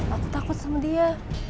aku takut sama dia